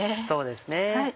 そうですね。